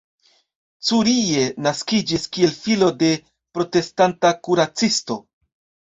Curie naskiĝis kiel filo de protestanta kuracisto.